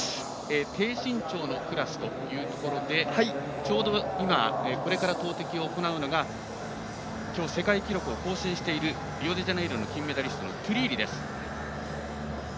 低身長のクラスというところでこれから投てきを行うのが今日世界記録を更新しているリオデジャネイロ金メダリストのトゥリーリです。